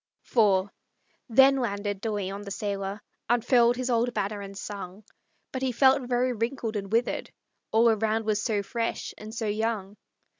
IV Then landed De Leon, the sailor, Unfurled his old banner, and sung; But he felt very wrinkled and withered, All around was so fresh and so young.